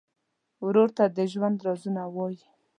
ورور ته د ژوند رازونه وایې.